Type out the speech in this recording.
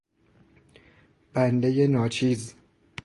بنده ناچیز